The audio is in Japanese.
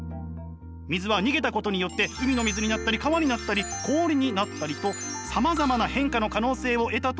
水は逃げたことによって海の水になったり川になったり氷になったりとさまざまな変化の可能性を得たと言えるのです。